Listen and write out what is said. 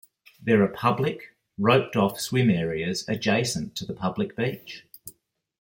There are public, roped off swim areas adjacent to the public beach.